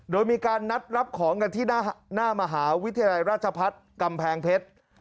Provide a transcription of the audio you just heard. โดยมีการนัดรับของกันที่หน้ามหาวิทยาลัยราชพัฒน์กำแพงเพชร